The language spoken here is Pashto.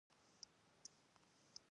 سړی هک پاته شو.